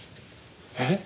えっ？